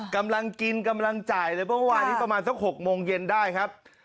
กำลังกินกำลังจ่ายเลยเมื่อวานนี้ประมาณสัก๖โมงเย็นได้ครับ